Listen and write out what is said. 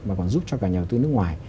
mà còn giúp cho cả nhà đầu tư nước ngoài